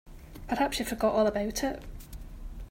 Perhaps she forgot all about it.